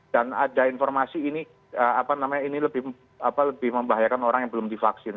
dan ada informasi ini lebih membahayakan orang yang belum divaksin